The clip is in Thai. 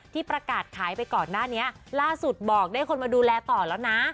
ที่ประกาศขายไปก่อนหน้านี้ล่าสุดบอกได้คนมาดูแลต่อแล้วนะ